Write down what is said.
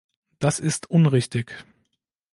Das ist unrichtig.